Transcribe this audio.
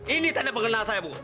ini tanda pengenal saya bu